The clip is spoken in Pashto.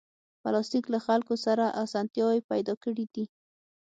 پلاستيک له خلکو سره اسانتیاوې پیدا کړې دي.